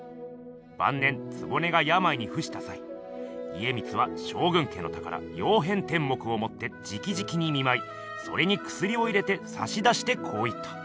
ばん年局がやまいにふしたさい家光は将軍家の宝「曜変天目」をもってじきじきに見まいそれにくすりを入れてさしだしてこう言った。